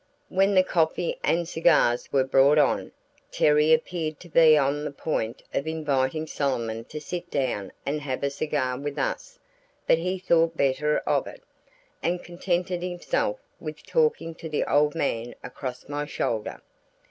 When the coffee and cigars were brought on, Terry appeared to be on the point of inviting Solomon to sit down and have a cigar with us; but he thought better of it, and contented himself with talking to the old man across my shoulder.